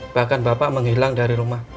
bahkan bapak menghilang dari rumah